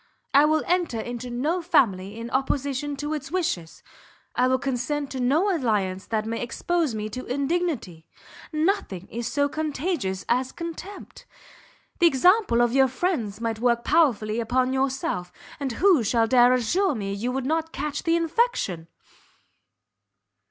I will enter into no family in opposition to its wishes, I will consent to no alliance that may expose me to indignity. Nothing is so contagious as contempt! The example of your friends might work powerfully upon yourself, and who shall dare assure me you would not catch the infection?"